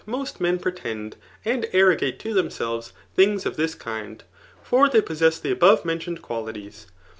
145 most men i»etead and arrogate to themselves tKings c^ tills kind ; for they possess the aboTe^mentioned qualities.